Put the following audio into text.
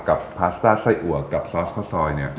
กับพาสต้าไส้อวกกับซอสข้อสอย